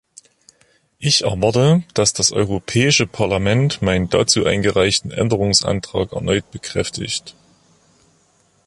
Ich erwarte, dass das Europäische Parlament meinen dazu eingereichten Änderungsantrag erneut bekräftigt.